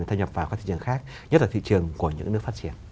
thâm nhập vào các thị trường khác nhất là thị trường của những nước phát triển